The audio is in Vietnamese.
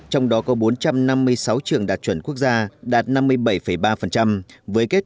trong đó có bốn trăm năm mươi sáu trường đạt chuẩn quốc gia đạt năm mươi bảy ba với kết